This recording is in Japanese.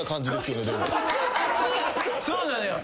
そうなのよ